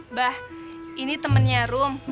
mbah ini temennya rum